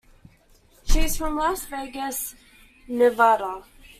She is from Las Vegas, Nevada.